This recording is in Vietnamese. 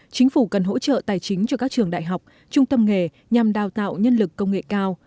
chính phủ cần hỗ trợ tài chính cho các trường đại học trung tâm nghề nhằm đào tạo nhân lực công nghệ cao